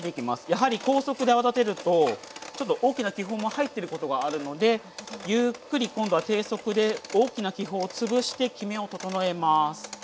やはり高速で泡立てるとちょっと大きな気泡も入ってることがあるのでゆっくり今度は低速で大きな気泡を潰してきめを整えます。